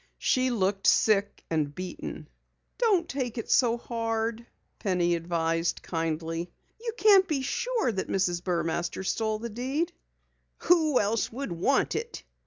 She looked sick and beaten. "Don't take it so hard," Penny advised kindly. "You can't be sure that Mrs. Burmaster stole the deed." "Who else would want it?"